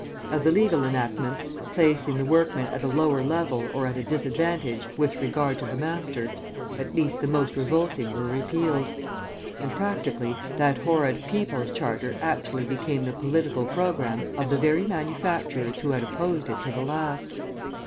Of the legal enactments, placing the workman at a lower level or at a disadvantage with regard to the master, at least the most revolting were repealed. And, practically, that horrid 'People's Charter' actually became the political programme of the very manufacturers who had opposed it to the last.